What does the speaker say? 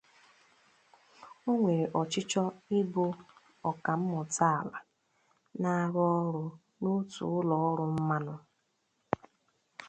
Ọ nwere ọchịchọ ịbụ ọkà mmụta ala, na-arụ ọrụ n'otu ụlọ ọrụ mmanụ.